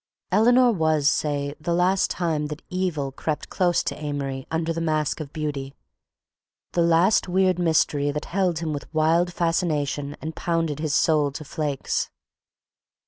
Eleanor was, say, the last time that evil crept close to Amory under the mask of beauty, the last weird mystery that held him with wild fascination and pounded his soul to flakes.